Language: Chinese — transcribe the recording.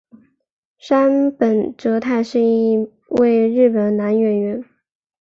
杉本哲太是一位日本男演员。